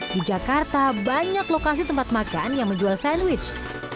di jakarta banyak lokasi tempat makan yang menjual sandwich